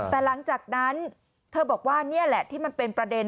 แต่หลังจากนั้นเธอบอกว่านี่แหละที่มันเป็นประเด็น